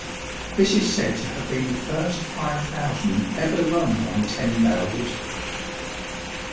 This is said to have been the first five thousand ever rung on ten bells.